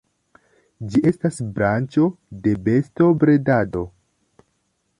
Ĝi estas branĉo de bestobredado.